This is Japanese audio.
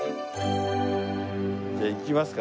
じゃあ行きますか。